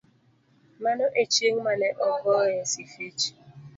Mano e chieng' mane ogoye Sifichi.